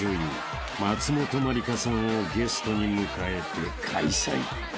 松本まりかさんをゲストに迎えて開催］